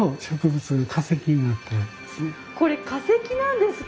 これ化石なんですか？